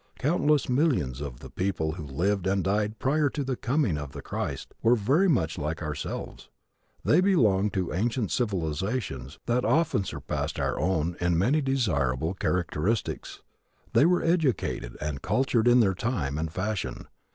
Countless millions of the people who lived and died prior to the coming of the Christ were very much like ourselves. They belonged to ancient civilizations that often surpassed our own in many desirable characteristics. They were educated and cultured in their time and fashion.